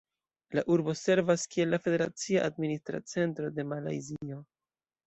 La urbo servas kiel la federacia administra centro de Malajzio.